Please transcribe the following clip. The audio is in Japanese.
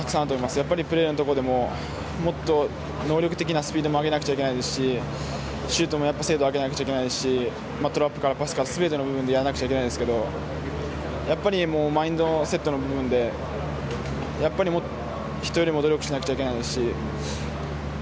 やっぱりプレーのところでももっと能力的なスピードも上げなくちゃいけないですしシュートも精度を上げなくちゃいけないですしトラップからパスから全ての部分でやらなきゃいけないですけどやっぱりマインドセットの部分で人よりも努力しなくちゃいけないですし。